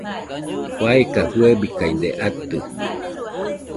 faeka fɨebikaide atɨ